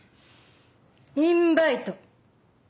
インバイト。